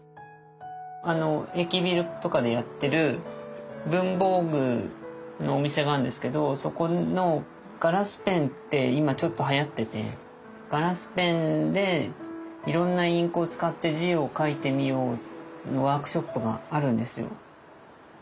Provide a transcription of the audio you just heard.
あの駅ビルとかでやってる文房具のお店があるんですけどそこのガラスペンって今ちょっとはやってて「ガラスペンでいろんなインクを使って字を書いてみよう」のワークショップがあるんですよ。